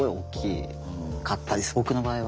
僕の場合は。